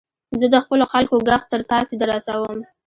زه د خپلو خلکو ږغ تر تاسي در رسوم.